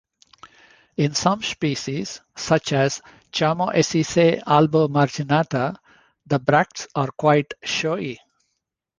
In some species, such as "Chamaesyce albomarginata", the bracts are quite showy.